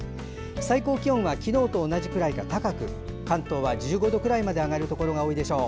最高気温は昨日と同じくらいか高く関東は１５度くらいまで上がるところが多いでしょう。